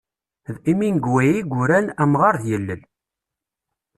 D Hemingway i yuran " Amɣar d yillel".